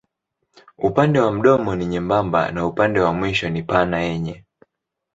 Upande wa mdomo ni nyembamba na upande wa mwisho ni pana yenye.